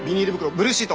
ブルーシート